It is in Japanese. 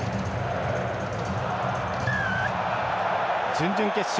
準々決勝